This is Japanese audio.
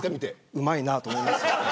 うまいなと思います